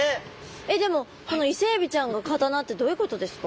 えっでもこのイセエビちゃんが刀ってどういうことですか？